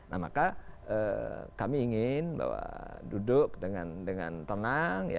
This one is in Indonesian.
nah maka kami ingin bahwa duduk dengan tenang